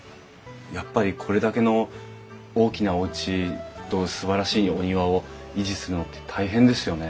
やっぱりこれだけの大きなおうちとすばらしいお庭を維持するのって大変ですよね。